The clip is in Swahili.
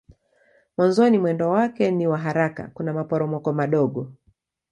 Mwanzoni mwendo wake ni wa haraka kuna maporomoko madogo.